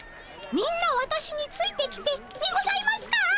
「みんなわたしについてきて」にございますか？